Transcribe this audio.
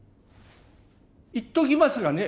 言っときますがね